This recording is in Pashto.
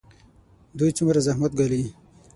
دوی څومره زحمت ګالي؟